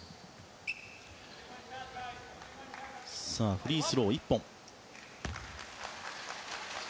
フリースロー、１本。